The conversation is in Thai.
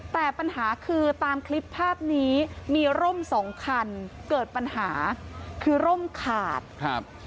แต่ปัญหาคือตามคลิปภาพนี้มีร่มสองคันเกิดปัญหาคือร่มขาดครับ